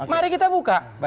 mari kita buka